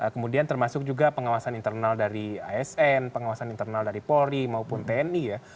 kemudian termasuk juga pengawasan internal dari asn pengawasan internal dari polri maupun tni ya